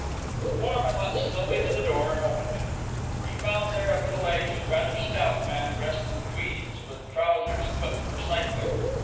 The foreman went slowly to the door and opened it. He found there a middle aged, rather stout man, dressed in tweeds, with trousers clipped for cycling.